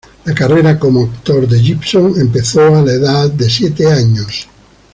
La carrera como actor de Gibson empezó a la edad de siete años.